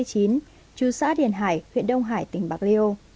chú xã điền hải huyện đông hải tỉnh bạc liêu